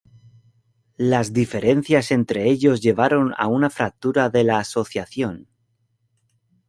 Las diferencias entre ellos llevaron a una fractura de la asociación.